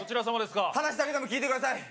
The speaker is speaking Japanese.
話だけでも聞いてください。